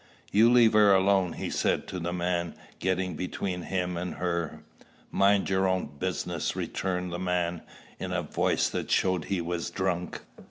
"You leave her alone," he said to the man, getting between him and her. "Mind your own business," returned the man, in a voice that showed he was drunk.